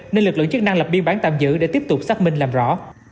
nên lực lượng chức năng lập biên bản tạm giữ để tiếp tục xác minh làm rõ